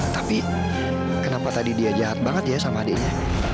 tapi kenapa tadi dia jahat banget ya sama adiknya